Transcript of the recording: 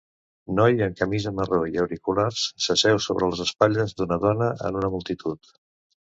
Noi amb camisa marró i auriculars s'asseu sobre les espatlles d'una dona en una multitud.